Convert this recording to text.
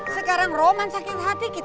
sekarang romansnya sudah berakhir